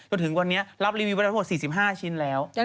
จนถึงวันนี้รับรีวิวประโยชน์๔๕ชิ้นแล้ว